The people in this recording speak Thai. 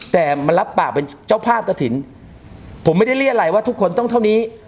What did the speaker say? แต่มันรับปากเป็นเจ้าภาพกระถิ่นผมไม่ได้เรียกอะไรว่าทุกคนต้องเท่านี้